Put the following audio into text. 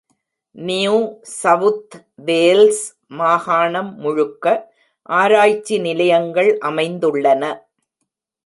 New South Wales மாகாணம் முழுக்க ஆராய்ச்சி நிலையங்கள் அமைந்துள்ளன.